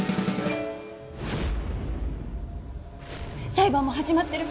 裁判も始まってる。